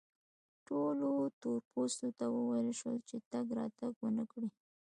ټولو تور پوستو ته وویل شول چې تګ راتګ و نه کړي.